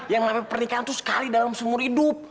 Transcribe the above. yang namanya pernikahan itu sekali dalam seumur hidup